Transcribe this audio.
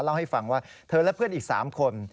เล่าให้ฟังว่าเธอและเพื่อนอีก๓คน